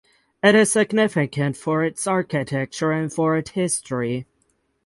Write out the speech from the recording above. It is significant for its architecture and for it history.